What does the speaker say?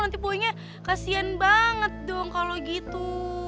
nanti pokoknya kasian banget dong kalau gitu